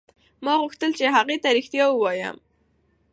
ما غوښتل چې هغې ته رښتیا ووایم.